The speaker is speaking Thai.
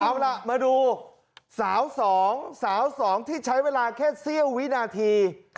เอาล่ะมาดูสาวสองสาวสองที่ใช้เวลาแค่เสี้ยววินาที